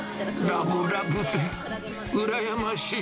ラブラブだ。